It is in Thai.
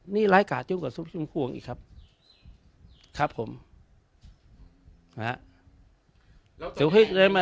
นี่ร้ายกาศจึงก่อนสุพิธีพุ่มภวงอีกครับครับผม